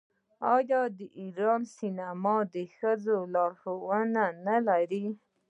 آیا د ایران سینما ښځینه لارښودانې نلري؟